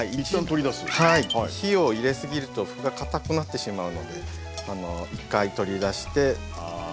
火を入れすぎると麩がかたくなってしまうので一回取り出してこれで置きます。